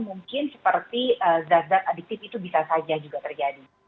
mungkin seperti zat zat adiktif itu bisa saja juga terjadi